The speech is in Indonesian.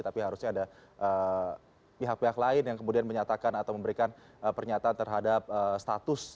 tapi harusnya ada pihak pihak lain yang kemudian menyatakan atau memberikan pernyataan terhadap status